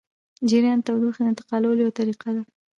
جریان د تودوخې د انتقالولو یوه طریقه ده.